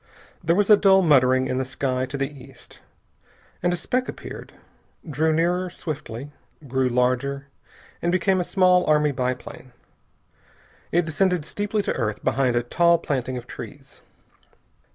There was a dull muttering in the sky to the east, and a speck appeared, drew nearer swiftly, grew larger, and became a small army biplane. It descended steeply to earth behind a tall planting of trees.